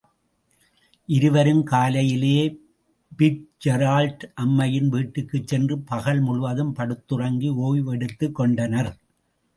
இருவரும் காலையிலேயே பிட்ஜெரால்டு அம்மையின் வீட்டுக்குச்சென்று பகல் முழுவதும் படுத்துறங்கி ஓய்வெடுத்துக்கொண்டனர்.